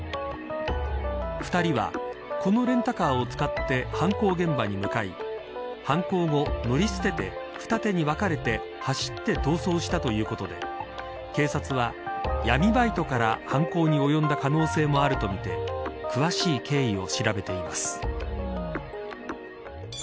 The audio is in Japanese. ２人は、このレンタカーを使って犯行現場に向かい犯行後、乗り捨てて二手に分かれて走って逃走したということで警察は闇バイトから犯行に及んだ可能性もあるとみて詳しい経緯を調べています。